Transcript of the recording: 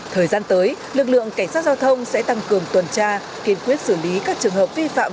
thời gian tới lực lượng cảnh sát giao thông sẽ tăng cường tuần tra kiên quyết xử lý các trường hợp vi phạm